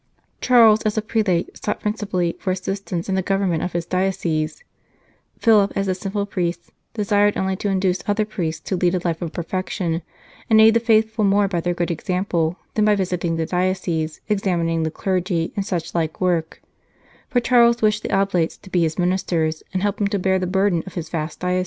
Charles as a prelate sought principally for assistance in the government of his diocese ; Philip as a simple priest desired only to induce other priests to lead a life of perfection, and aid the faithful more by their good example than by visiting the diocese, examining the clergy, and such like work : for Charles wished the Oblates to be his ministers, and help him to bear the burden of his vast diocese.